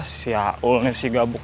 ih si yaul nih si gabuk